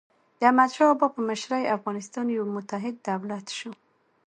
د احمدشاه بابا په مشرۍ افغانستان یو متحد دولت سو.